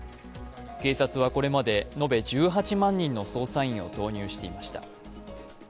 警察はこれまで延べ１８万人の捜査員を投入していました。